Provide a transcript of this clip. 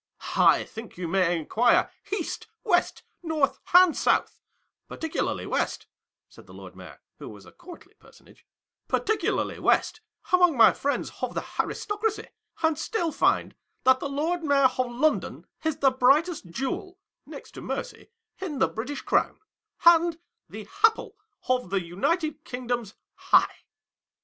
I think you may inquire East, West, North, and South — particularly West," said the Lord Mayor, who was a courtly personage — "particularly West, among my friends of the aristocracy — and still find that the Lord Mayor of London is the brightest jewel (next to Mercy) in the British crown, and the apple of the United Kingdom's eye.